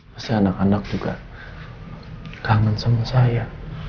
pasti anak anak juga kangen sama saya